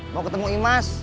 mau ketemu imas